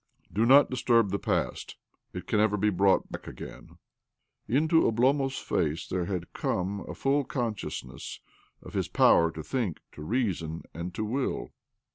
Do not disturb the past. It can never be brought back again." Into Oblomov's face there had come a full consciousness of his power to think, to reason, and to will.